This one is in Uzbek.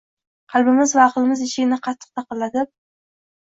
Qalbimiz va aqlimiz eshigini qattiq taqillatib